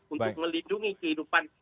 untuk melindungi kehidupan